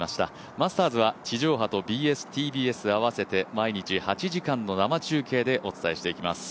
マスターズは地上波とＢＳ−ＴＢＳ合わせて毎日８時間の生中継でお伝えしていきます。